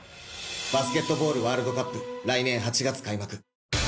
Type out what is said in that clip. バスケットボールワールドカップ、来年８月開幕。